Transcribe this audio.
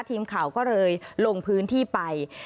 ทีมข่าวก็เลยลงพื้นที่ไป